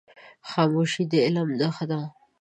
خاموشي، د علم نښه ده.